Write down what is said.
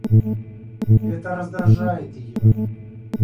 Это раздражает ее.